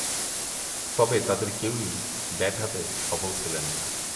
তবে, তাদের কেউই ব্যাট হাতে সফল ছিলেন না।